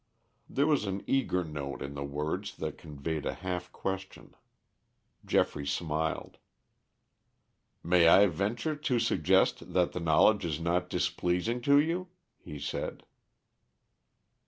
There was an eager note in the words that conveyed a half question. Geoffrey smiled. "May I venture to suggest that the knowledge is not displeasing to you?" he said.